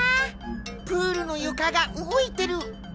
プールのゆかがうごいてる！